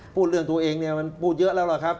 พูดเรื่องตัวเองมันพูดเยอะแล้วหรอกครับ